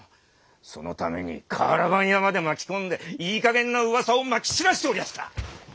そのために瓦版屋まで巻き込んでいいかげんなうわさをまき散らしておりやした！